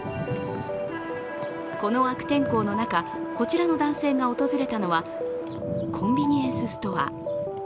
この悪天候の中、こちらの男性が訪れたのはコンビニエンスストア。